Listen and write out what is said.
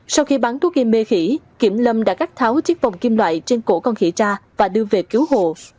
sau khi bắn thuốc gây mê khỉ kiểm lâm đã gác tháo chiếc vòng kim loại trên cổ con khỉ tra và đưa về cứu hộ